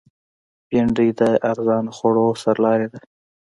بېنډۍ د ارزانه خوړو سرلاری ده